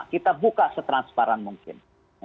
kita buka setransparan mungkin